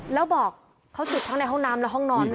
แล้วบอกเขาจุดทั้งในห้องน้ำและห้องนอน